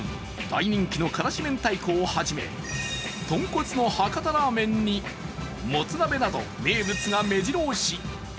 大人気のからし明太子をはじめ、豚骨の博多ラーメンにもつ鍋など、名物がめじろ押し。